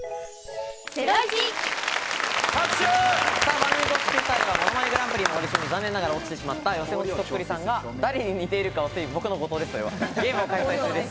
番組公式Ｔｗｉｔｔｅｒでは、『ものまねグランプリ』のオーディションに残念ながら落ちてしまった予選落ちそっくりさんが誰に似ているかを推理するゲームを開催中です。